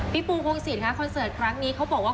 ปูพงศิษย์ค่ะคอนเสิร์ตครั้งนี้เขาบอกว่า